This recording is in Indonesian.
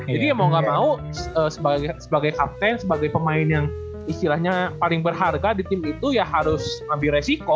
jadi mau gak mau sebagai kapten sebagai pemain yang istilahnya paling berharga di tim itu ya harus ambil resiko